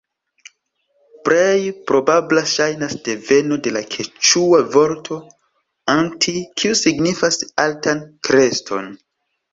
Plej probabla ŝajnas deveno de la keĉua vorto "anti", kiu signifas altan kreston.